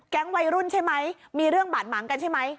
วัยรุ่นใช่ไหมมีเรื่องบาดหมางกันใช่ไหม